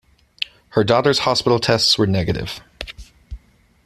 Her daughter's hospital tests were negative.